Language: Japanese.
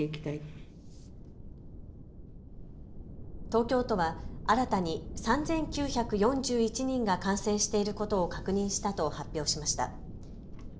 東京都は新たに３９４１人が感染していることを確認したと発表しました。